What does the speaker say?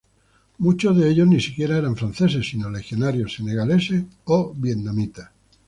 Muchos de ellos ni siquiera eran franceses, sino legionarios, senegaleses o vietnamitas.